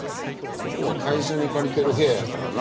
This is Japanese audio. ここは会社にかりてるへややからな。